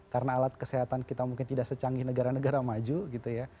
karena alat kesehatan kita mungkin tidak secanggih negara negara maju gitu ya